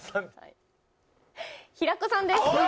平子さんです。